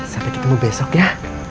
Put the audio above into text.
sampai ketemu besok ya